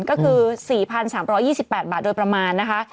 ก็คือ๔๓๒๘บาทโดยประมาณนะคะ